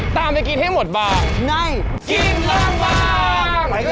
ตามไปกินให้หมดบางในกินล้างบาง